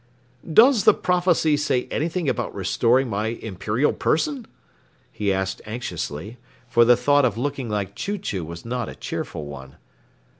"Does the prophecy say anything about restoring my imperial person?" he asked anxiously, for the thought of looking like Chew Chew was not a cheerful one.